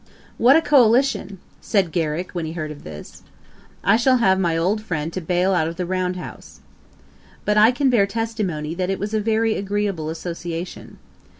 'What a coalition! (said Garrick, when he heard of this;) I shall have my old friend to bail out of the Round house.' But I can bear testimony that it was a very agreeable association.